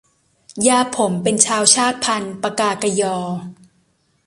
ย่าผมเป็นชาวชาติพันธุ์ปกากะญอ